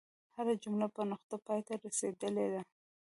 هره جمله په نقطه پای ته رسیدلې ده.